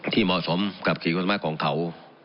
ที่เหมาะสมกับขี่คุณธรรมะของเขา